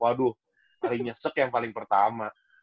waduh hari nyesek yang paling pertama